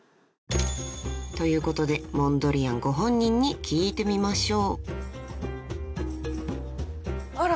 ［ということでモンドリアンご本人に聞いてみましょう］